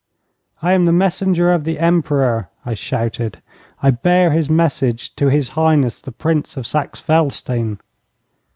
'I am the messenger of the Emperor,' I shouted. 'I bear his message to His Highness the Prince of Saxe Felstein.'